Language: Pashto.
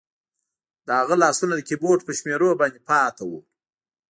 د هغه لاسونه د کیبورډ په شمیرو باندې پاتې وو